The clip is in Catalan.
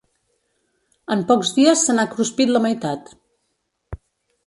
En pocs dies se n'ha cruspit la meitat.